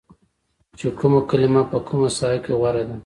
چې کومه کلمه په کومه ساحه کې غوره ده